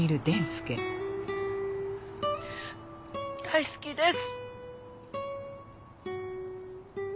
大好きです。